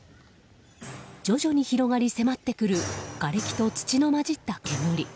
徐々に広がり迫ってくるがれきと土の交じった煙。